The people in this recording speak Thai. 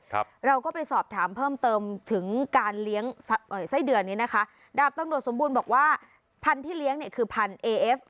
ครับเราก็ไปสอบถามเพิ่มเติมถึงการเลี้ยงเอ่อไส้เดือนนี้นะคะดาบตำรวจสมบูรณ์บอกว่าพันธุ์ที่เลี้ยงเนี่ยคือพันเอเอฟ